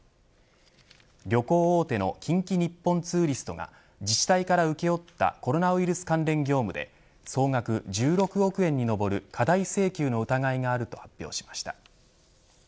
旅行大手の近畿日本ツーリストが自治体から請負ったコロナウイルス関連業務で総額１６億円に上る過大請求の疑いがあると発表しました。